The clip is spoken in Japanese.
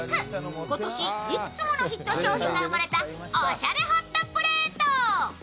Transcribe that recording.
今年いくつものヒット商品が生まれたおしゃれホットプレート。